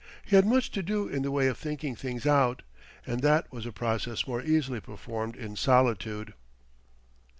He had much to do in the way of thinking things out; and that was a process more easily performed in solitude.